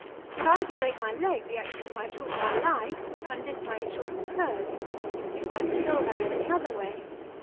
If I were to break my leg, the accident might shorten my life, and this may shorten hers. It won't kill her in any other way.